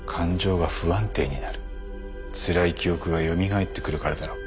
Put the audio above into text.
つらい記憶が蘇ってくるからだろう。